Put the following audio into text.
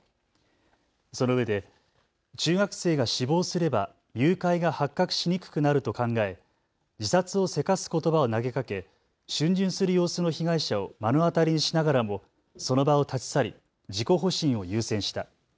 そのうえで中学生が死亡すれば誘拐が発覚しにくくなると考え自殺をせかすことばを投げかけしゅん巡する様子の被害者を目の当たりしながらもその場を立ち去り自己保身を優先した。